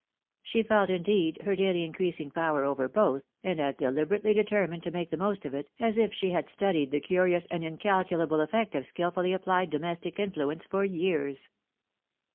She felt, indeed, her daily increasing power over both, and as delibe rately determined to make the most of it, as if she had studied the curious and incalculable effect of skilfully applied domestic influence for years.